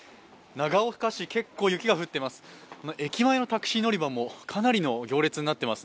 長岡市、結構雪が降っています。